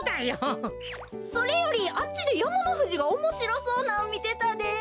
それよりあっちでやまのふじがおもしろそうなんみてたで。